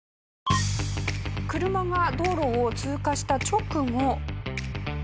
車が道路を通過した直後。